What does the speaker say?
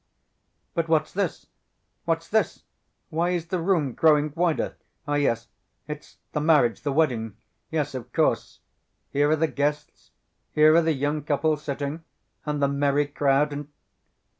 _" "But what's this, what's this? Why is the room growing wider?... Ah, yes ... It's the marriage, the wedding ... yes, of course. Here are the guests, here are the young couple sitting, and the merry crowd and